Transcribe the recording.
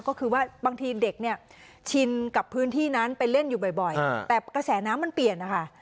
ก็คือว่าบางทีเด็กเนี่ยชินกับพื้นที่นั้นไปเล่นอยู่บ่อยแต่กระแสน้ำมันเปลี่ยนนะคะ